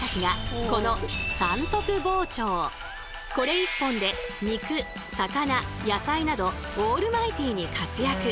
これ１本で肉魚野菜などオールマイティーに活躍！